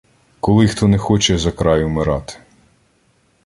Коли хто не хоче за край умирати